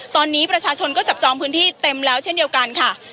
ตอนนี้ประชาชนก็จับจองพื้นที่เต็มแล้วเช่นเดียวกันค่ะ